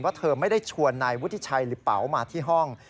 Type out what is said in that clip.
เธอไม่ได้ชวนนายวุฒิชัยหรือเป๋ามาที่ห้อง